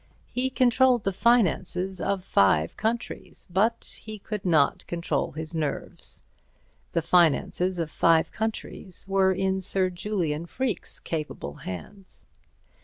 He controlled the finances of five countries, but he could not control his nerves. The finances of five countries were in Sir Julian Freke's capable hands.